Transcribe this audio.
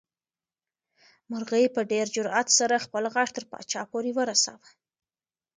مرغۍ په ډېر جرئت سره خپل غږ تر پاچا پورې ورساوه.